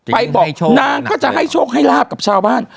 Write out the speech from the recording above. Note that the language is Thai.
บอกนางก็จะให้โชคให้ลาบกับชาวบ้าน